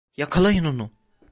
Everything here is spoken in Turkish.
Yakalayın onu!